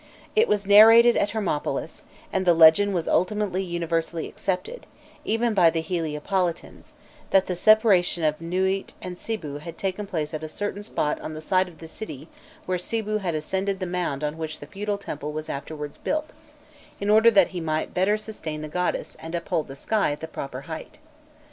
It was narrated at Hermopolis, and the legend was ultimately universally accepted, even by the Heliopolitans, that the separation of Nûît and Sibû had taken place at a certain spot on the site of the city where Sibû had ascended the mound on which the feudal temple was afterwards built, in order that he might better sustain the goddess and uphold the sky at the proper height.